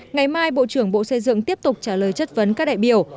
ngày mai bộ trưởng bộ xây dựng tiếp tục trả lời chất vấn các đại biểu